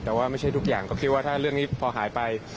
แต่ว่าไม่ใช่ทุกอย่างก็คิดว่าถ้าเรื่องนี้พอหายไป